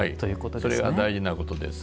それが大事なことです。